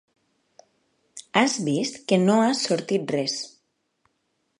Has vist que no ha sortit res.